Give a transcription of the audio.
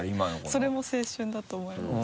それも青春だと思います。